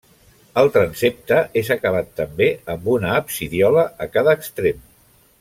El transsepte és acabat també amb una absidiola a cada extrem.